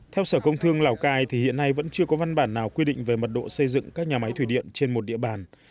theo sở công thương lào cai thì hiện nay vẫn chưa có văn bản nào quy định về mật độ xây dựng các nhà máy thủy điện trên một địa bàn